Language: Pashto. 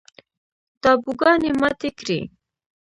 تابوگانې ماتې کړي